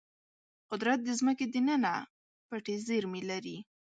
قدرت د ځمکې دننه پټې زیرمې لري.